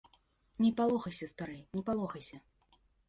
Не палохайся, стары, не палохайся.